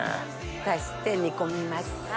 足して煮込みます。